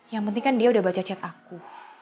yang penting kan dia udah baca cetak aku